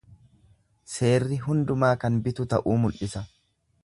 Seerri hundumaa kan bitu ta'uu mul'isa.